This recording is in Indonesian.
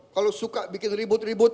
kalau suka bikin ribut ribut